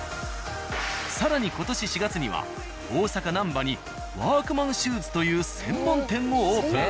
更に今年４月には大阪なんばに「ワークマンシューズ」という専門店をオープン。